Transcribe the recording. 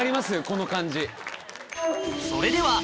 この感じ。